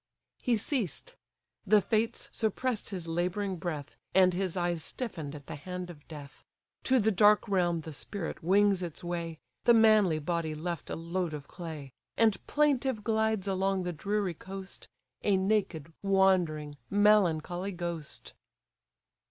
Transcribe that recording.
He ceased. The Fates suppress'd his labouring breath, And his eyes stiffen'd at the hand of death; To the dark realm the spirit wings its way, (The manly body left a load of clay,) And plaintive glides along the dreary coast, A naked, wandering, melancholy ghost!